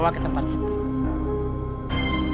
bawa ke tempat sebelah